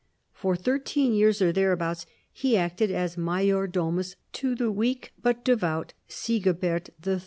For thirteen years, or thereabouts, he acted n^ 7najor domus to the weak but devout Sigibert III.